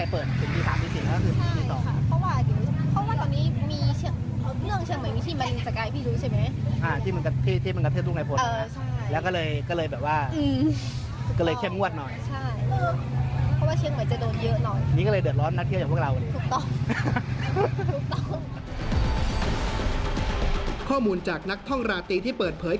ปกติแบบนี้มันก็เข้าได้ใช่ป่ะดี